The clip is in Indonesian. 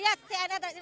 ya si anak terima kasih